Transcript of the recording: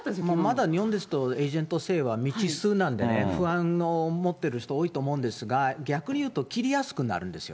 まだ日本ですと、エージェント制は未知数なんで、不安に思ってる人、多いと思うんですが、逆に言うと切りやすくなるんですよ。